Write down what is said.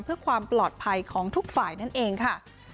เพื่อความปลอดภัยของทุกฝ่ายนั่นเองค่ะ